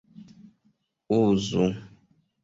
uzu